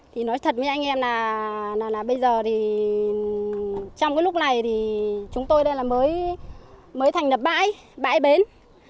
thì nói thật với anh em là bây giờ thì trong cái lúc này thì chúng tôi đây là mới thành đập bãi bãi bến